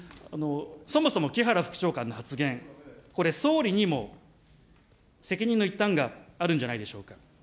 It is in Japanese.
そもそも木原副長官の発言、これ、総理にも責任の一端があるんじゃないでしょうか。